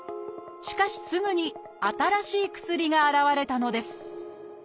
しかしすぐに新しい薬が現れたのです。